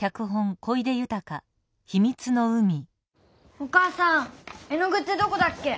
・お母さん絵のぐってどこだっけ？